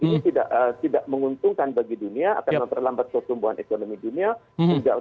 ini tidak menguntungkan bagi dunia akan memperlambat pertumbuhan ekonomi dunia